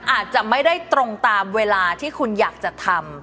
อาจจะไม่ได้ตรงตามเวลาที่คุณอยากจะทำ